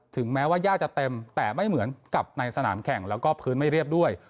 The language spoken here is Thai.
ถึงแม้ว่าย่าจะเต็มแต่ไม่เหมือนกับในสนามแข่งแล้วก็พื้นไม่เรียบด้วย